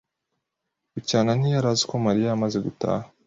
Bucyana ntiyari azi ko Mariya yamaze gutaha.